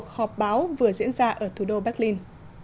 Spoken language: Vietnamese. đây là một cuộc họp báo vừa diễn ra ở thủ đô berlin